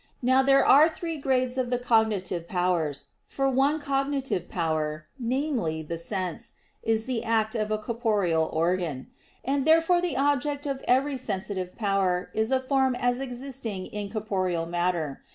Now there are three grades of the cognitive powers. For one cognitive power, namely, the sense, is the act of a corporeal organ. And therefore the object of every sensitive power is a form as existing in corporeal matter.